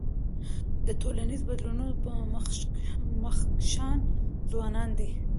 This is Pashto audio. د ټولنیزو بدلونونو مخکښان ځوانان دي.